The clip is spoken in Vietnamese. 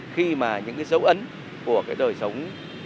khi mà những cái dấu ấn của cái đời sống